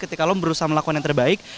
ketika lo berusaha melakukan yang terbaik